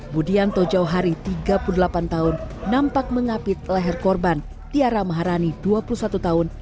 budianto jauhari tiga puluh delapan tahun nampak mengapit leher korban tiara maharani dua puluh satu tahun